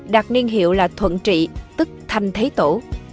đạt niên hiệu là thuận trị tức thành thế tổ